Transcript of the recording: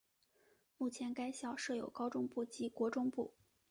目前该校设有高中部及国中部。